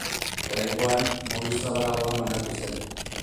Oraingoan, modu zabalagoan banatu zen.